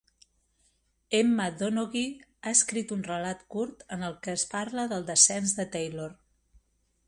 Emma Donoghue ha escrit un relat curt en el que es parla del descens de Taylor.